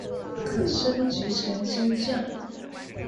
可升级成金将。